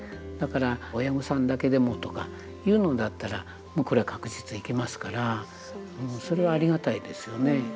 だから親御さんだけでもとかいうのだったらもうこれは確実行けますからそれはありがたいですよね。